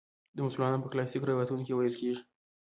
د مسلمانانو په کلاسیکو روایتونو کې ویل کیږي.